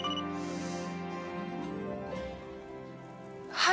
はい。